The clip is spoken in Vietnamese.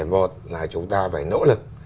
một là chúng ta phải nỗ lực